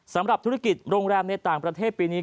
สำหรับธุรกิจโรงแรมในต่างประเทศปีนี้